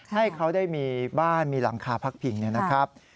ให้เขาได้มีบ้านมีหลังคาพักผิงนะครับ